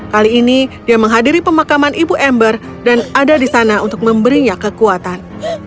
kali ini dia menghadiri pemakaman ibu ember dan ada di sana untuk memberinya kekuatan